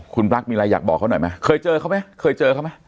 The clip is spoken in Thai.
คุณพลักษณ์มีอะไรอยากบอกเขาหน่อยไหมเคยเจอเขาไหม